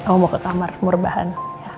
mau ke kamar murbahan